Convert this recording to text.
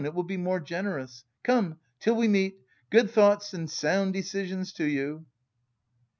It will be more generous. Come, till we meet! Good thoughts and sound decisions to you!"